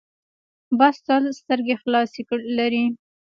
باز تل سترګې خلاصې لري